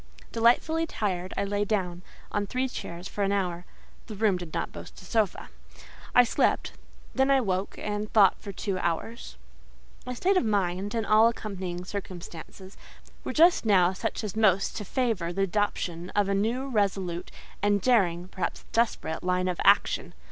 Delightfully tired, I lay down, on three chairs for an hour (the room did not boast a sofa). I slept, then I woke and thought for two hours. My state of mind, and all accompanying circumstances, were just now such as most to favour the adoption of a new, resolute, and daring—perhaps desperate—line of action.